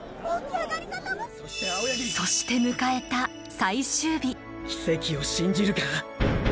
そして迎えた奇跡を信じるか？